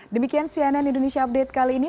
demikian cnn indonesia update kali ini